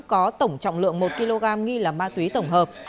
có tổng trọng lượng một kg nghi là ma túy tổng hợp